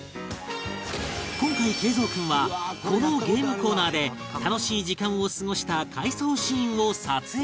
今回桂三君はこのゲームコーナーで楽しい時間を過ごした回想シーンを撮影するという